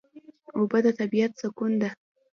اوبه د طبیعت سکون ده.